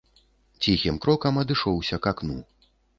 Ціхім крокам адышоўся к акну.